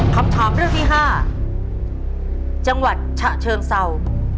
คำถามเรื่องที่๕จังหวัดฉะเชิงเศร้า